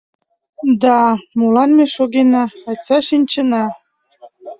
Да, молан ме шогена, айста шинчына.